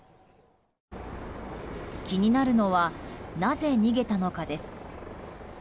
気になるのはなぜ逃げたのかです。